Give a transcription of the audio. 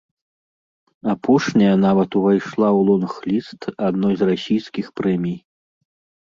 Апошняя нават увайшла ў лонг-ліст адной з расійскіх прэмій.